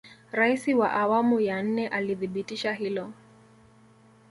raisi wa awamu ya nne alithibitisha hilo